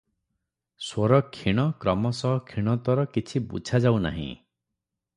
ସ୍ୱର କ୍ଷୀଣ କ୍ରମଶଃ କ୍ଷୀଣତର କିଛି ବୁଝା ଯାଉ ନାହିଁ ।